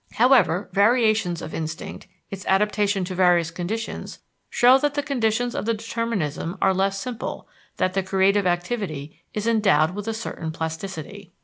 However, variations of instinct, its adaptation to various conditions, show that the conditions of the determinism are less simple, that the creative activity is endowed with a certain plasticity.